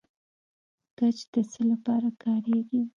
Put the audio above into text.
ګچ د څه لپاره کاریږي؟